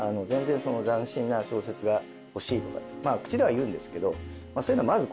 斬新な小説が欲しいとか口では言うんですけどそういうのは。